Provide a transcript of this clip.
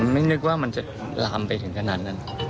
ไม่นึกว่ามันจะลามไปถึงขนาดนั้น